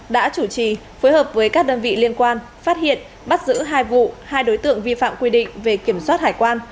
đã chủ trì phối hợp với các đơn vị liên quan phát hiện bắt giữ hai vụ hai đối tượng vi phạm quy định về kiểm soát hải quan